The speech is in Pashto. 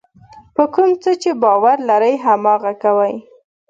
په کوم څه چې باور لرئ هماغه کوئ.